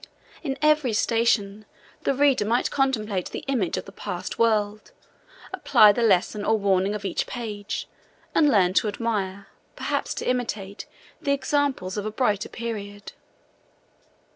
In every station, the reader might contemplate the image of the past world, apply the lesson or warning of each page, and learn to admire, perhaps to imitate, the examples of a brighter period.